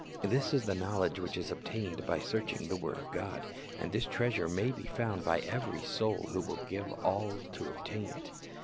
This is the knowledge which is obtained by searching the word of God. And this treasure may be found by every soul who will give all to obtain it.